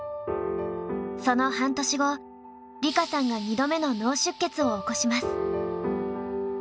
その半年後梨花さんが２度目の脳出血を起こします。